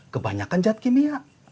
kebanyakan jad kimia